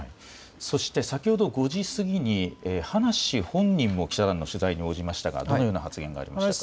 そして、先ほど５時過ぎに、葉梨氏本人も記者団の取材に応じましたが、どのような発言がありましたか。